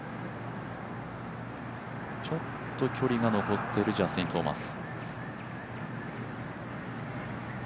ちょっと距離が残っているジャスティン・トーマス。